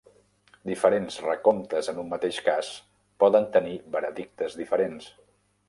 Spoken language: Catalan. Diferents recomptes en un mateix cas poden tenir veredictes diferents.